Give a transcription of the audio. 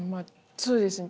そうですね。